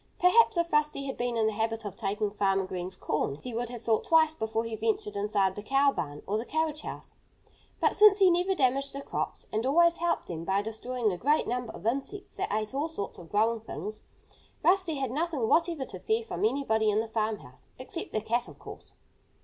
Perhaps if Rusty had been in the habit of taking Farmer Green's corn he would have thought twice before he ventured inside the cow barn or the carriage house. But since he never damaged the crops, and always helped them by destroying a great number of insects that ate all sorts of growing things, Rusty had nothing whatever to fear from anybody in the farmhouse except the cat, of course.